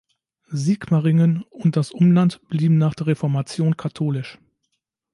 Sigmaringen und das Umland blieben nach der Reformation katholisch.